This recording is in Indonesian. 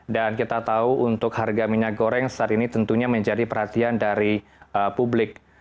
dan kita tahu untuk harga minyak goreng saat ini tentunya menjadi perhatian dari publik